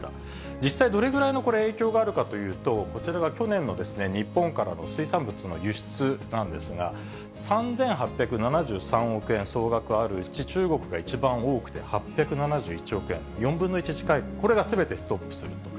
実際、どれぐらいの影響がこれ、あるかというと、こちらが去年の日本からの水産物の輸出なんですが、３８７３億円、総額あるうち、中国が一番多くて８７１億円、４分の１近い、これがすべてストップすると。